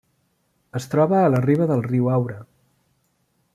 Es troba a la riba del riu Aura.